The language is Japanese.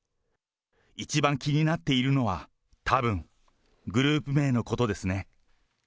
一番気になっているのはたぶん、グループ名のことですね。